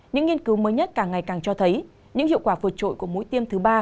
những nghiên cứu mới nhất càng ngày càng cho thấy những hiệu quả vượt trội của mũi tiêm thứ ba